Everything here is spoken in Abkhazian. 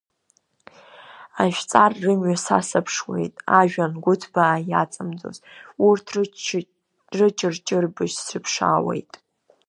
Ажәҵар рымҩа са саԥшуеит, ажәҩан гәыҭбаа иаҵамӡоз, урҭ рыҷырҷырбжь сыԥшаауеит…